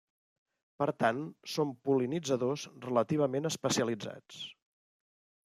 Per tant són pol·linitzadors relativament especialitzats.